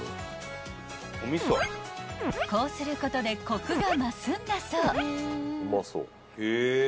［こうすることでコクが増すんだそう］